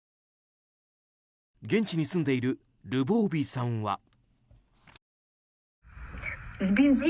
現地に住んでいるルボーヴィさんは。